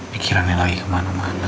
pikirannya lagi kemana mana